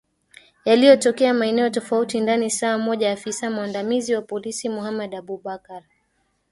yaliyo tokea maeneo tofauti ndani saa moja afisa mwandamizi wa polisi mohamed abubakar